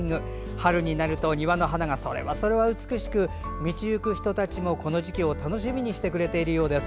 春になると色調をまとめた庭の花がそれはそれは美しく道行く人たちもこの時期を楽しみにしてくれてるようです。